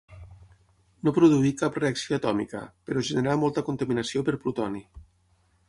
No produí cap reacció atòmica, però generà molta contaminació per plutoni.